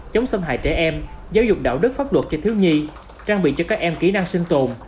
chống xâm hại trẻ em giáo dục đạo đức pháp luật cho thiếu nhi trang bị cho các em kỹ năng sinh tồn